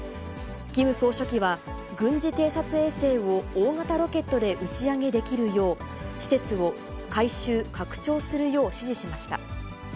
キム総書記は、軍事偵察衛星を大型ロケットで打ち上げできるよう、施設を改修・拡張するよう指示しました。